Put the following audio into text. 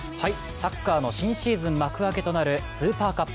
サッカーの新シーズン幕開けとなるスーパーカップ。